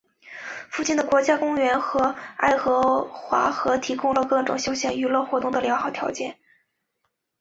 附近的国家公园和爱荷华河提供了各种休闲娱乐活动的良好条件。